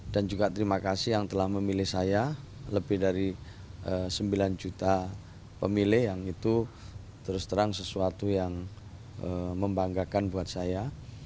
dan juga terima kasih yang telah memilih saya lebih dari sembilan juta pemilih yang itu terus terang sesuatu yang membanggakan buat saya